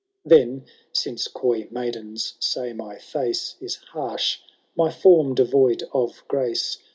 Then, since coy maidens say my face Is harsh, my form devoid of grace.